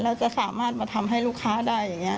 แล้วจะสามารถมาทำให้ลูกค้าได้อย่างนี้